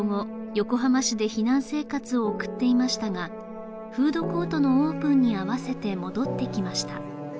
横浜市で避難生活を送っていましたがフードコートのオープンに合わせて戻ってきました